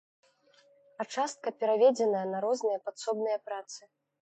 А частка пераведзеная на розныя падсобныя працы.